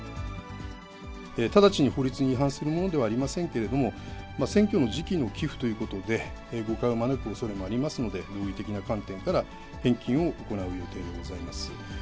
直ちに法律に違反するものではありませんけれども、選挙の時期の寄付ということで、誤解を招くおそれもありますので、道義的な観点から返金を行う予定でございます。